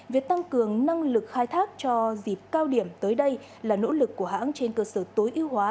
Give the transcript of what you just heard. việc tăng cường năng lực khai thác cho dịp cao điểm tới đây là nỗ lực của hãng trên cơ sở tối ưu hóa